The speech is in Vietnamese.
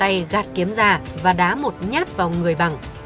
quận tay gạt kiếm ra và đá mụt nhát vào người bằng